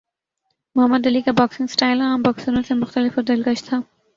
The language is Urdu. محمد علی کا باکسنگ سٹائل عام باکسروں سے مختلف اور دلکش تھا